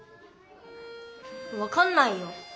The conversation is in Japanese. わかんないよ。